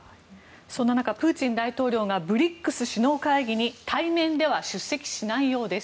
そんな中プーチン大統領がＢＲＩＣＳ首脳会議に対面では出席しないようです。